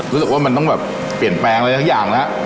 รู้สึกว่ามันต้องแบบเปลี่ยนแปลงอะไรสักอย่างแล้ว